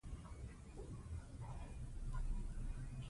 انګریزانو ته پنا مه ورکوه.